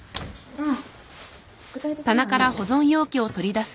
うん。